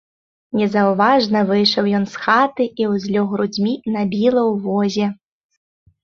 Незаўважна выйшаў ён з хаты і ўзлёг грудзьмі на біла ў возе.